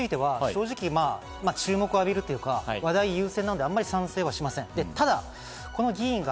この質問については正直、注目を浴びるというか、話題優先なので、あまり賛成はしません。